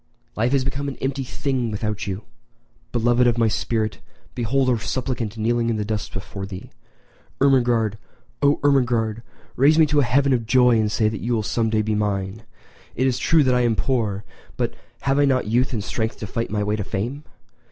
], life has become an empty thing without you. Beloved of my spirit, behold a suppliant kneeling in the dust before thee. Ermengarde—oh, Ermengarde, raise me to an heaven of joy and say that you will some day be mine! It is true that I am poor, but have I not youth and strength to fight my way to fame?